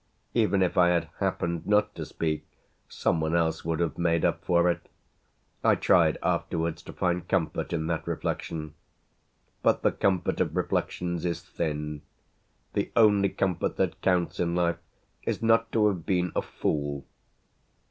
Even if I had happened not to speak some one else would have made up for it: I tried afterwards to find comfort in that reflection. But the comfort of reflections is thin: the only comfort that counts in life is not to have been a fool.